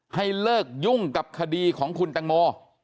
ให้เลิกยุ่งกับคดีของคุณตังโม